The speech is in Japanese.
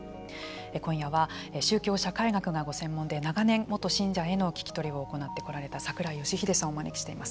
今夜は宗教社会学がご専門で長年、元信者への聞き取りを行ってこられた櫻井義秀さんをお招きしています。